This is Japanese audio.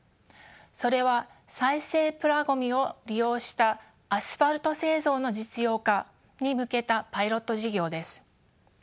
それは再生プラごみを利用したアスファルト製造の実用化に向けたパイロット事業です。